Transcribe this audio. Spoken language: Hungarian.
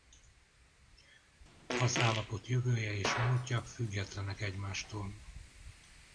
Az állapot jövője és múltja függetlenek egymástól.